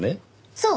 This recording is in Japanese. そう。